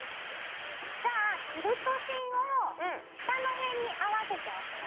じゃあキルト芯を下の辺に合わせておくよ。